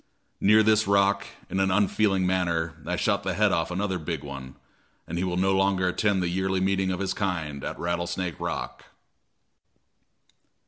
Near this rock, in an unfeeling manner, I shot the head off another big one, and he will no longer attend the yearly meeting of his kind at Rattlesnake Rock.